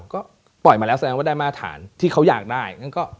ก็ปล่อยมาแล้วแสดงว่าได้มาตรฐานที่เขาอยากได้